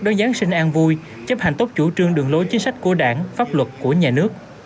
đón giáng sinh an vui chấp hành tốt chủ trương đường lối chính sách của đảng pháp luật của nhà nước